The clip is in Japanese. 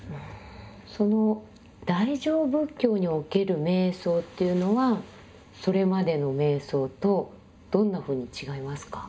その大乗仏教における瞑想というのはそれまでの瞑想とどんなふうに違いますか？